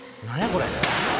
これ。